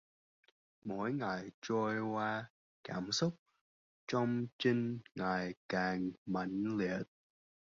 Mỗi ngày trôi qua cảm xúc trong Trinh ngày càng mãnh liệt